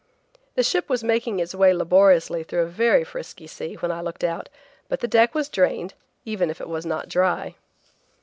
The ship was making its way laboriously through a very frisky sea when I looked out, but the deck was drained, even if it was not dry.